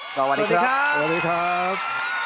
สวัสดีครับ